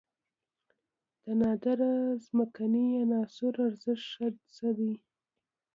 د نادره ځمکنۍ عناصرو ارزښت څه دی؟